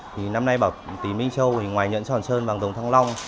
thì năm nay bảo tí minh châu thì ngoài nhận tròn trơn vàng dòng thăng long